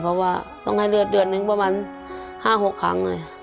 เพราะว่าต้องให้เลือดเดือนนึงประมาณ๕๖ครั้งเลย